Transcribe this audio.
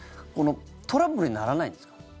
トラブルにならないんですか？